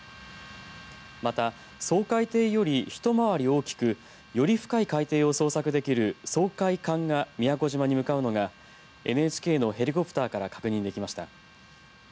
また掃海艇より一回り大きくより深い海底を捜索できる掃海艦が宮古島に向かうのがＮＨＫのヘリコプターから確認できました。